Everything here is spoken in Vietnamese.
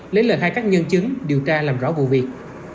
lấy lời khai các nhân chứng điều tra làm rõ vụ việc